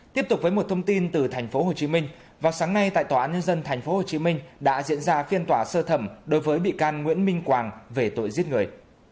tiếp tục với một thông tin từ tp hcm vào sáng nay tại tòa án nhân dân tp hcm đã diễn ra phiên tòa sơ thẩm đối với bị can nguyễn minh quang về tội giết người